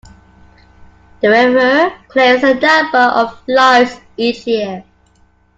The river claims a number of lives each year.